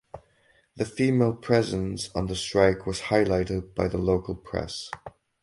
The female presence on the strike was highlighted by the local press.